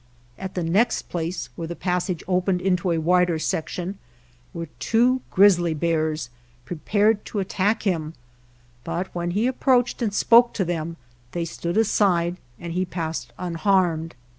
At the next place, where the passage opened into a wider sec tion, were two grizzly bears prepared to at tack him, but when he approached and spoke to them they stood aside and he passed un harmed.